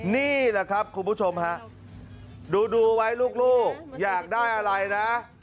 นี่แหละครับคุณผู้ชมฮะดูไว้ลูกอยากได้อะไรนะ